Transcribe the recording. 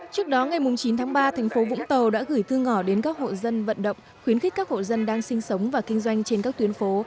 trước đó ngày chín tháng ba thành phố vũng tàu đã gửi thư ngỏ đến các hộ dân vận động khuyến khích các hộ dân đang sinh sống và kinh doanh trên các tuyến phố